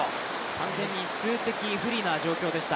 完全に数的不利な状況でした。